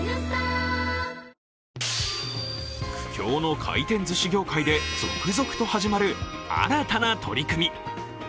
苦境の回転ずし業界で続々と始まる新たな取り組み。